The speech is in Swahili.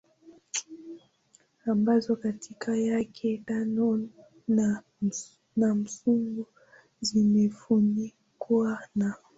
ambazo kati yake tano na nusu zimefunikwa na